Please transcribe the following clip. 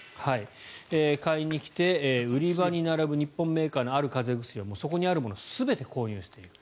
買いに来て、売り場に並ぶ日本メーカーのある風邪薬をそこにあるもの全てを購入していくと。